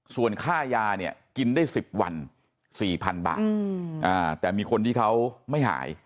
ส่วนค่ายาเนี่ยกินได้สิบวันสี่พันบาทอืมอ่าแต่มีคนที่เขาไม่หาย